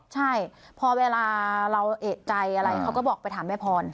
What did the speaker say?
ใช่พอเวลาเราเอกใจอะไรเขาก็บอกไปถามแม่พร